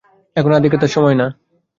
এখন আদিখ্যেতার সময় না।